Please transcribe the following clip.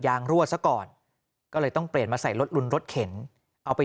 รั่วซะก่อนก็เลยต้องเปลี่ยนมาใส่รถลุนรถเข็นเอาไป